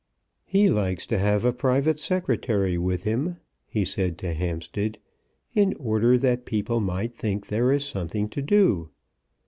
"He likes to have a private secretary with him," he said to Hampstead, "in order that people might think there is something to do.